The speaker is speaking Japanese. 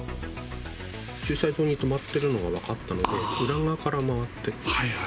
駐車場に止まってるのが分かったので、裏側から回って。